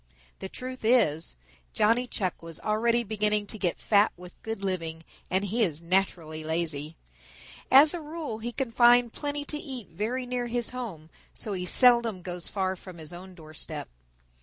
The truth is, Johnny Chuck was already beginning to get fat with good living and he is naturally lazy. As a rule he can find plenty to eat very near his home, so he seldom goes far from his own doorstep.